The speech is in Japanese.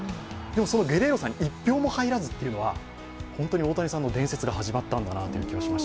そのゲレーロさんに１票も入らずというのは、本当に大谷さんの伝説が始まったんだなという気がします。